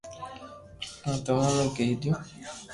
ھون تموني ڪئي ديو